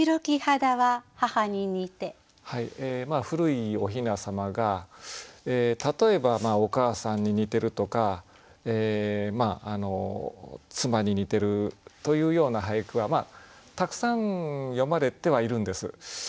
古いおひなさまが例えばお母さんに似てるとか妻に似てるというような俳句はたくさん詠まれてはいるんです。